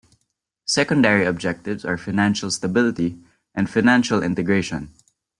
Secondary objectives are financial stability and financial integration.